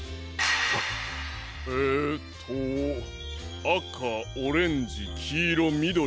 えとあかオレンジきいろみどり